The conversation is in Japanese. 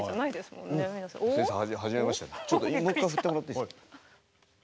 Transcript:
もう一回振ってもらっていいですか。